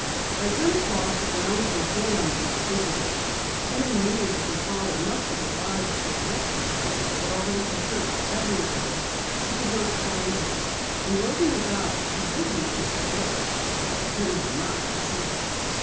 By ten o'clock the grounds were jammed with visitors. Penny knew that her father must have arrived for the exercises, but although she searched everywhere, she could not find him. In roving about, she did meet Mr. Blake, who pretended not to see her.